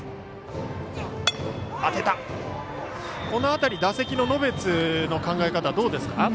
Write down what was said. この辺り打席の野別の考え方はどうですか？